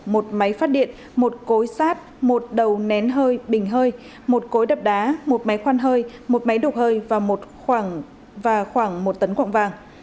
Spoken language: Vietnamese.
một máy phát điện một cối sát một đầu nén hơi bình hơi một cối đập đá một máy khoăn hơi một máy đục hơi và khoảng một tấn quạng vàng